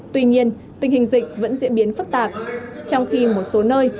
tuy nhiên tình hình dịch vẫn diễn biến phức tạp trong khi một số nơi